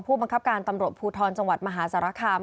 ผู้ประคับการณ์ตำรวจภูทรจังหวัดมหาศรภาคาม